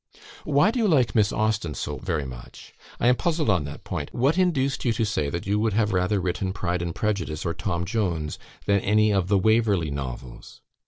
"Why do you like Miss Austen so very much? I am puzzled on that point. What induced you to say that you would have rather written "Pride and Prejudice,' or 'Tom Jones,' than any of the 'Waverley Novels'?